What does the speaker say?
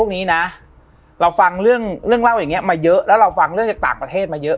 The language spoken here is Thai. นี้นะเราฟังเรื่องเล่าอย่างนี้มาเยอะแล้วเราฟังเรื่องจากต่างประเทศมาเยอะ